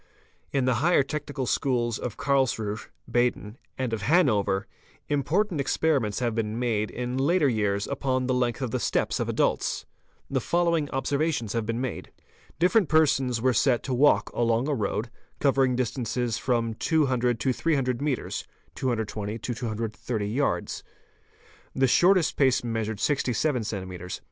— In the higher technical schools of Karlsruhe (Baden) and of Han over, important experiments have been made in later years upon the length of the steps of adults. The following observations have been made. Different persons were set to walk along a road, covering distances from 200 to 300 metres (220 to 330 yards). The shortest pace measured 67 cms.